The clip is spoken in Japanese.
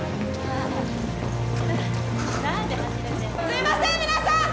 すいません皆さん！